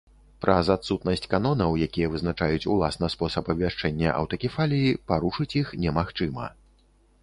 Праз адсутнасць канонаў, якія вызначаюць уласна спосаб абвяшчэння аўтакефаліі, парушыць іх немагчыма.